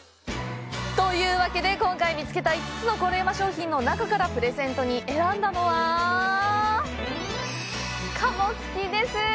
というわけで、今回見つけた５つのコレうま商品の中からプレゼントに選んだのは「鴨すき」です！